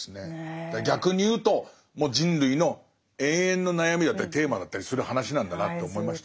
逆に言うともう人類の永遠の悩みだったりテーマだったりする話なんだなと思いましたね。